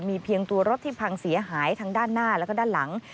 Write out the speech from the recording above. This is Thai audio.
มีเพียงตัวรถที่พังเสียหายทั้งด้านหน้าแล้วก็ด้านหลัง